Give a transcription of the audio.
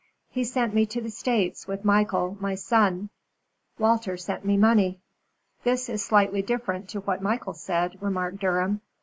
He sent me to the States with Michael, my son. Walter sent me money." "This is slightly different to what Michael said," remarked Durham.